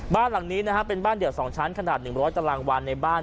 บ้านหลังนี้นะฮะเป็นบ้านเดี่ยวสองชั้นขนาดหนึ่งร้อยตารางวันในบ้าน